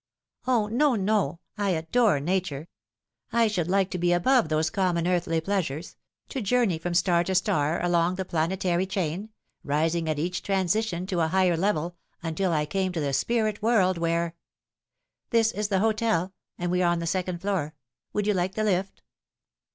" O, no, no ! I adore Nature. I should like to be above those common earthly pleasures to journey from star to star along the planetary chain, rising at each transition to a higher level, until I came to the spirit world where This is the hotel, and we are on the second floor. Would you like the lift?"